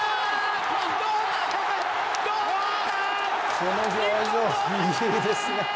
この表情、いいですね！